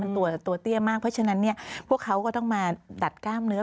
ตัวเตี้ยมากเพราะฉะนั้นเนี่ยพวกเขาก็ต้องมาดัดกล้ามเนื้อ